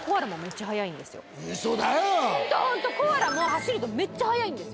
コアラも走るとめっちゃ速いんです。